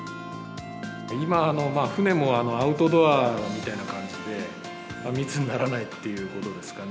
今、船もアウトドアみたいな感じで、密にならないっていうことですかね。